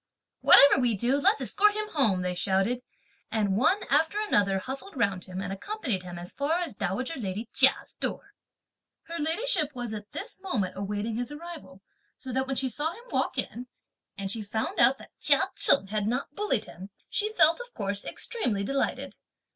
"Whatever we do let's escort him home!" they shouted, and one after another hustled round him and accompanied him as far as dowager lady Chia's door. Her ladyship was at this moment awaiting his arrival, so that when she saw him walk in, and she found out that (Chia Cheng) had not bullied him, she felt, of course, extremely delighted.